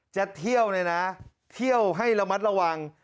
จะเที่ยวเลยนะเที่ยวให้ระมัดระวัง